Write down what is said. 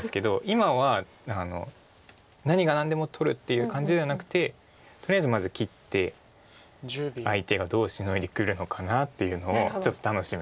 今は何が何でも取るっていう感じではなくてとりあえずまず切って相手がどうシノいでくるのかなっていうのをちょっと楽しみにしてる。